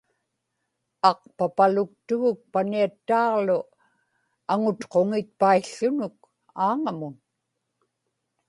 aqpapaluktuguk Paniattaaġlu aŋutquŋitpaił̣ł̣unuk Aaŋamun